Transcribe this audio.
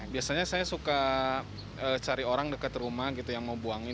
biasanya saya suka cari orang dekat rumah gitu yang mau buangin